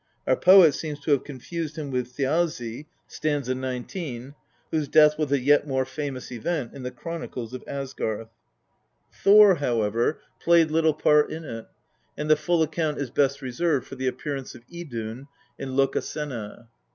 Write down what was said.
Our poet seems to have confused him with Thiazi (st. 19), whose death was a yet more famous event in the chronicles of Asgarth. Thor, however, XLVIII THE POETIC EDDA. played little part in it, and the full account is best reserved for the appearance of Idun, in Lokasenna.